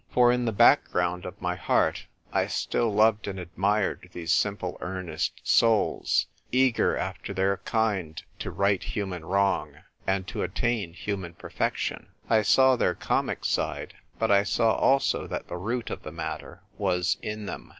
For, in the background of my heart, I still loved and admired these simple earnest souls, eager after their kind to right human wrong, and to attain human perfection. I saw their comic side ; but 1 saw also that the root of the matter was in them.